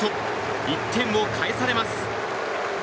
１点を返されます。